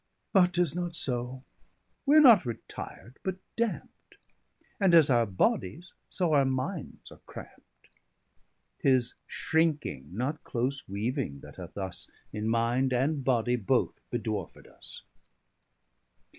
150 But 'tis not so: w'are not retir'd, but dampt; And as our bodies, so our mindes are crampt: 'Tis shrinking, not close weaving that hath thus, In minde, and body both bedwarfed us.